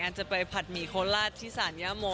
แอนจะไปผัดหมี่โคลาสที่สรรยะโม